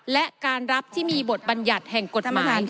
และการรับที่มีบทบัญญัติแห่งกฎหมาย